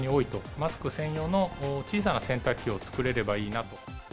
マスク専用の小さな洗濯機を作れればいいなと。